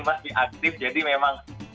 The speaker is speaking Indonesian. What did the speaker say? masih aktif jadi memang